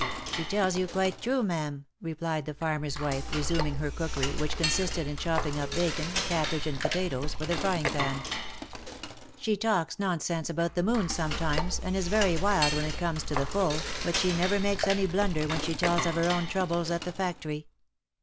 " She tells you quite true, ma'am," replied the farmer's wife, re suming her cookery, which consisted in chopping up bacon, cabbage, and potatoes, for the frying pan. " She talks nonsense about the moon sometimes, and is very wild when it comes to the full, but she never makes any blunder when she tells of her own troubles at the factory.